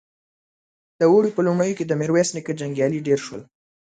د اوړي په لومړيو کې د ميرويس نيکه جنګيالي ډېر شول.